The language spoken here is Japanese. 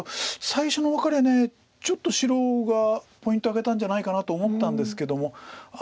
最初のワカレちょっと白がポイント挙げたんじゃないかなと思ったんですけども。